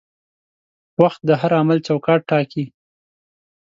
وخت د هر عمل چوکاټ ټاکي.